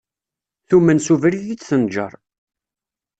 Tumen s ubrid i d-tenjer.